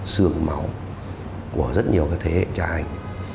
xương máu của rất nhiều thế hệ trang